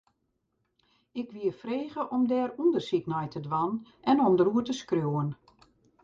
Ik wie frege om dêr ûndersyk nei te dwaan en om dêroer te skriuwen.